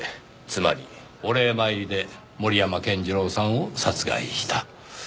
お礼参りで森山健次郎さんを殺害した。